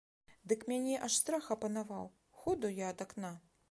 Дык мяне аж страх апанаваў, ходу я ад акна.